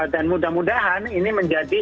dan mudah mudahan ini menjadi